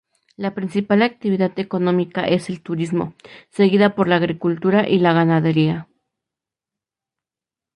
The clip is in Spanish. La principal actividad económica es el turismo, seguida por la agricultura y la ganadería.